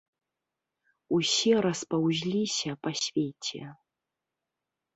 Усе распаўзліся па свеце.